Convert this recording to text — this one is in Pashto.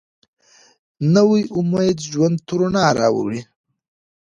نوی امید ژوند ته رڼا راولي